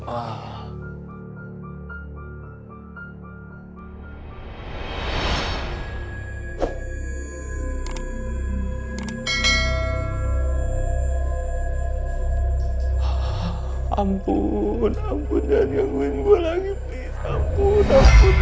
ampun ampun jangan gangguin gue lagi please ampun ampun